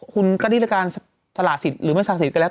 คุณก็ดิตรการสละสิทธิ์หรือไม่สละสิทธิก็แล้ว